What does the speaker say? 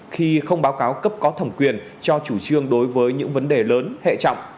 khi không báo cáo cấp có thẩm quyền cho chủ trương đối với những vấn đề lớn hệ trọng